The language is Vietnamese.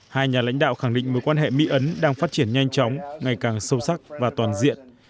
hai nhà lãnh đạo khẳng định mối quan hệ mỹ ấn đang phát triển nhanh chóng ngày càng sâu sắc và toàn diện